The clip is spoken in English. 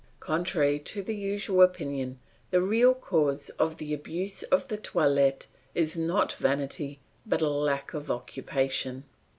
Contrary to the usual opinion, the real cause of the abuse of the toilet is not vanity but lack of occupation.